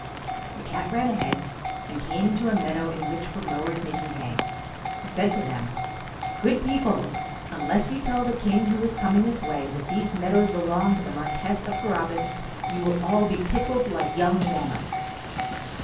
The cat ran ahead, and came into a meadow in which were mowers making hay. He said to them :' Good people ! unless you tell the king who is coming this way that these meadows belong to the Marquess of Carabas, you will all be pickled like young walnuts.'